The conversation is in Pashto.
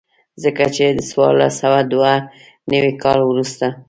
ځکه چې د څوارلس سوه دوه نوي کال وروسته.